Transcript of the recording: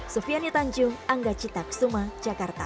sufiani tanjung angga cita kusuma jakarta